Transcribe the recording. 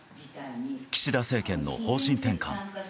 岸田政権の方針転換。